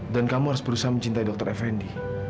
dan kamu harus berusaha mencintai dr effendi